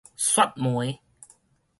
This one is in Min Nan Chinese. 雪梅